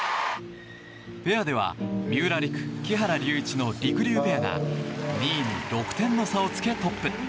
ペアでは三浦璃来、木原龍一のりくりゅうペアが２位に６点の差をつけトップ。